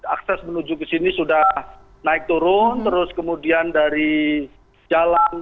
akses menuju ke sini sudah naik turun terus kemudian dari jalan